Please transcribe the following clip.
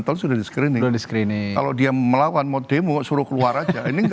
tol sudah di screening kalau dia melawan mau demo suruh keluar aja ini